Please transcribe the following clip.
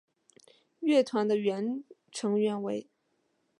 乐团的原成员为。